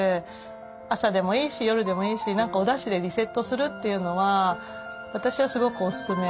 朝でもいいし夜でもいいし何かおだしでリセットするというのは私はすごくおすすめですね。